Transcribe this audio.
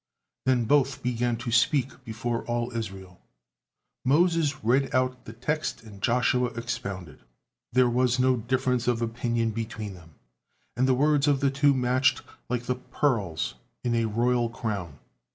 Then both began to speak before all Israel; Moses read out the text and Joshua expounded. There was no difference of opinion between them, and the words of the two matched like the pearls in a royal crown.